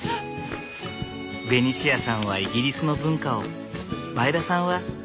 ベニシアさんはイギリスの文化を前田さんは日本の知恵を。